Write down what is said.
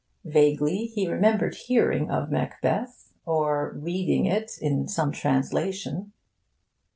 Vaguely he remembered hearing of Macbeth, or reading it in some translation.